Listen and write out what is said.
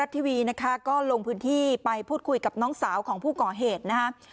ทำไมรู้ว่าโดนใครถูกปะ